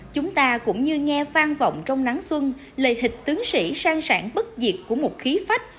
chúng ta cũng như nghe vang vọng trong nắng xuân lời hịch tướng sĩ sang sản bất diệt của một khí phách